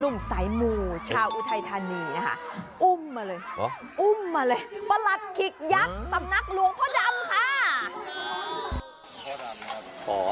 รุ่งสายมูชาวอุทัยธานีอุ้มมาเลยประหลัดขิกยักษ์แบบนักรวงพ่อดำค่ะ